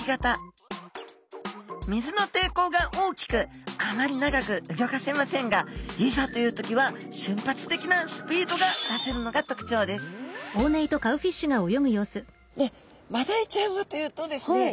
水のていこうが大きくあまり長くうギョかせませんがいざという時は瞬発的なスピードが出せるのが特徴ですマダイちゃんはというとですね